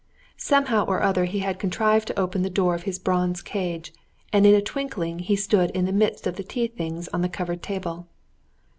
Somehow or other he had contrived to open the door of his bronze cage, and in a twinkling he stood in the midst of the tea things on the covered table.